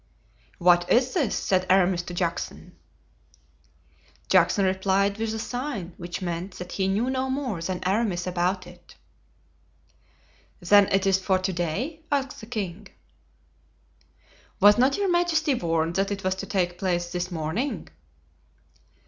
"What is this?" said Aramis to Juxon. Juxon replied with a sign which meant that he knew no more than Aramis about it. "Then it is for to day?" asked the king. "Was not your majesty warned that it was to take place this morning?"